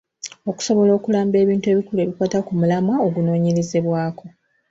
Okusobola okulamba ebintu ebikulu ebikwata ku mulamwa ogunoonyerezebwako.